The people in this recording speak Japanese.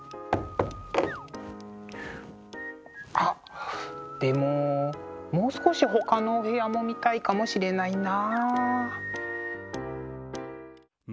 あっでももう少しほかのお部屋も見たいかもしれないな。